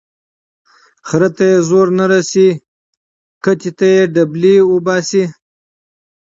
ـ خره ته يې زور نه رسي کتې ته ډبلي اوباسي.